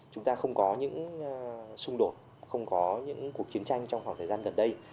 chúng ta không có những xung đột không có những cuộc chiến tranh trong khoảng thời gian gần đây